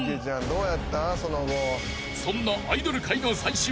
［そんな］